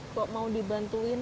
kok mau dibantuin